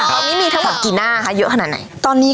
คราวนี้มีถ้าหวัดกี่หน้ายังเยอะขนาดไหน